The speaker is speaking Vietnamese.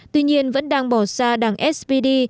tuy nhiên vẫn đang bỏ xa đảng spd